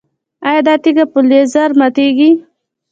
ایا دا تیږه په لیزر ماتیږي؟